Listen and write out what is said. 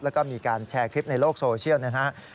แล้วก็มีการแชร์คลิปในโลกโซเชียลนะครับ